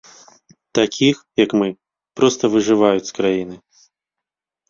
Такіх, як мы, проста выжываюць з краіны.